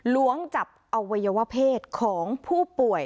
ล้วงจับอวัยวะเพศของผู้ป่วย